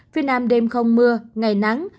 phía nam đêm không mưa ngày nắng